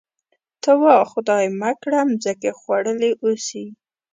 ته وا خدای مه کړه مځکې خوړلي اوسي.